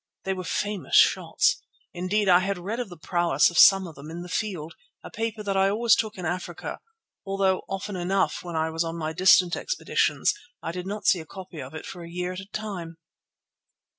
They were famous shots. Indeed, I had read of the prowess of some of them in The Field, a paper that I always took in Africa, although often enough, when I was on my distant expeditions, I did not see a copy of it for a year at a time.